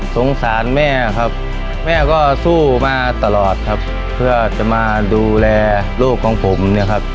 สงสารแม่ครับแม่ก็สู้มาตลอดครับเพื่อจะมาดูแลลูกของผมเนี่ยครับ